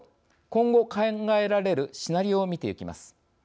今後考えられるシナリオを見ていきます。